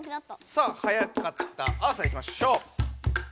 さあはやかったアーサーいきましょう。